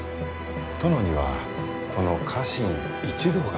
殿にはこの家臣一同がおります。